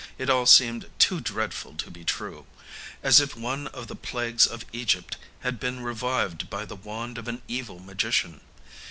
It all seemed too dreadful to be true as if one of the plagues of Egypt had been revived by the wand of an evil magician.